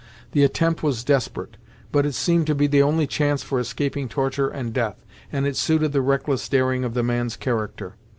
The attempt was desperate, but it seemed to be the only chance for escaping torture and death, and it suited the reckless daring of the man's character.